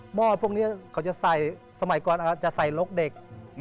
ห้อพวกนี้เขาจะใส่สมัยก่อนจะใส่ลกเด็ก